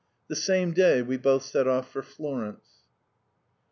The same day we both set off for Florence.